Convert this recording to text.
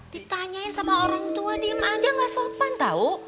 ditanyain sama orang tua diem aja gak sopan tahu